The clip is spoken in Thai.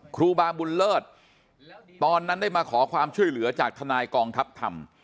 ครูบาบุญเลิศตอนนั้นได้มาขอความช่วยเหลือจากทนายกองทัพธรรม